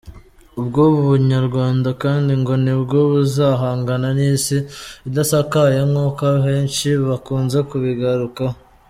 Ubwo bunyarwanda kandi ngo nibwo buzahangana n’Isi idasakaye nk’uko abenshi bakunze kubigarukaho.